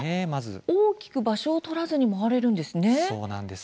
大きく場所を取らずに回れるんですね。